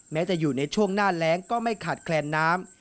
แม้จะอยู่ในช่วงหน้าแรงก็ไม่ขาดแคลนน้ำ